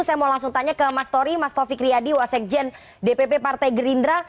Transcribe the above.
saya mau langsung tanya ke mas tori mas taufik riyadi wasekjen dpp partai gerindra